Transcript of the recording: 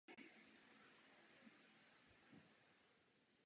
Odložením tohoto hlasování bychom tento signál oslabili.